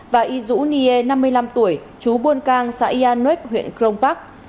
và y dũ nghê năm mươi năm tuổi trú buôn cang xã yà nuyết huyện crong bắc